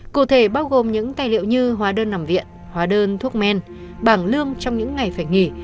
cụ thể bao gồm những tài liệu như hóa đơn nằm viện hóa đơn thuốc men bảng lương trong những ngày phải nghỉ